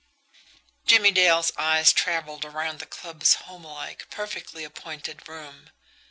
Jimmie Dale's eyes travelled around the club's homelike, perfectly appointed room.